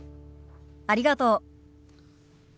ありがとう。